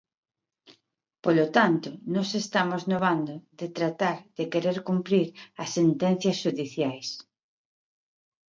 Polo tanto, nós estamos no bando de tratar de querer cumprir as sentenzas xudiciais.